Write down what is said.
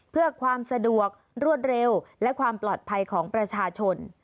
เพื่อความสะดวกรวดเร็วและความปลอดภัยของประชาชน